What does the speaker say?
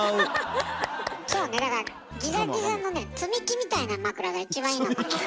そうねだからギザギザのね積み木みたいな枕が一番いいのかも。